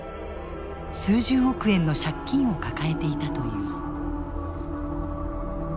数十億円の借金を抱えていたという。